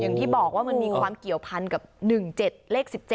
อย่างที่บอกว่ามันมีความเกี่ยวพันกับ๑๗เลข๑๗